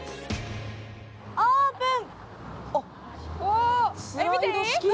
オープン！